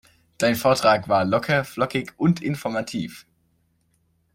Dein Vortrag war locker, flockig und informativ.